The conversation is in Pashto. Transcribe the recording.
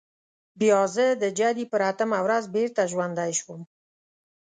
بیا زه د جدي پر اتمه ورځ بېرته ژوندی شوم.